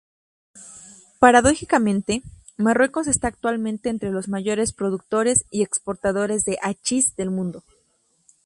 Paradójicamente, Marruecos está actualmente entre los mayores productores y exportadores de hachís del mundo.